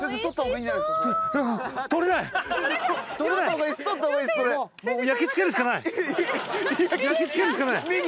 目に焼き付けるしかない。